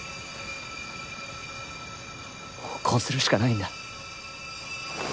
もうこうするしかないんだ。